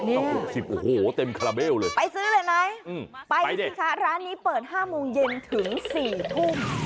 นี่ก็๖๐โอ้โหเต็มคาราเบลเลยไปซื้อเลยไหมไปสิคะร้านนี้เปิด๕โมงเย็นถึง๔ทุ่ม